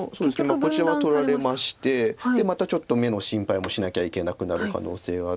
こちらは取られましてでまたちょっと眼の心配もしなきゃいけなくなる可能性はあって。